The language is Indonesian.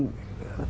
bagi orang indonesia